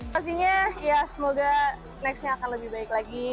pastinya semoga next nya akan lebih baik lagi